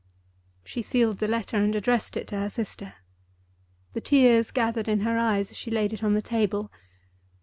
She sealed the letter, and addressed it to her sister. The tears gathered in her eyes as she laid it on the table.